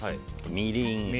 みりん